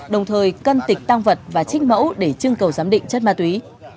đồng thời cân tịch tăng vật và trích mẫu để chưng cầu giám định chất ma túy